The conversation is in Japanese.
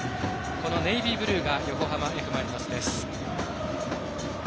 このネイビーブルーが横浜Ｆ・マリノスです。